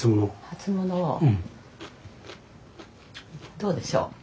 どうでしょう。